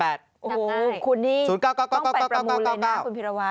นัดหน้าให้คุณต้องไปประมูลเลยนะคุณพิระวัติ